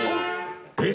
えっ？